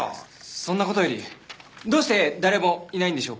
そんな事よりどうして誰もいないんでしょうか？